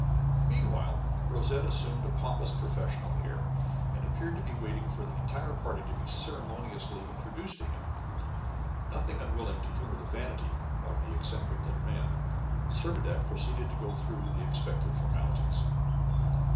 Meanwhile Rosette assumed a pompous professional air, and appeared to be waiting for the entire party to be ceremoniously introduced to him. Nothing unwilling to humor the vanity of the eccentric little man, Servadac proceeded to go through the expected formalities.